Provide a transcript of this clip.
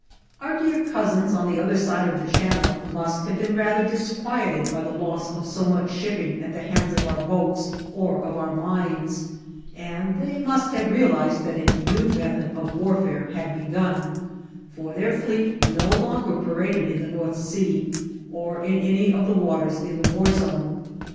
Our dear cousins on the other side of the Channel must have been rather disquieted by the loss of so much shipping at the hands of our boats or of our mines; and they must have realized that a new method of warfare had begun, for their fleet no longer paraded in the North Sea or in any of the waters in the war zone.